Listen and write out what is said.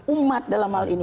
umat dalam hal ini